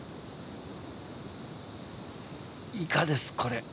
イカですこれ。